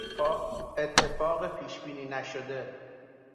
اتفاق پیش بینی نشده